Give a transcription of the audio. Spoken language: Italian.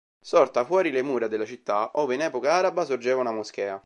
Sorta fuori le mura della città ove in epoca araba sorgeva una moschea.